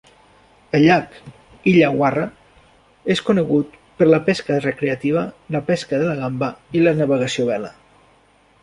El llac Illawarra és conegut per la pesca recreativa, la pesca de la gamba y la navegació a vela.